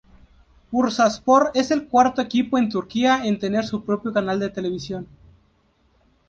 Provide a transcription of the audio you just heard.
Bursaspor es el cuarto equipo en Turquía en tener su propio canal de televisión.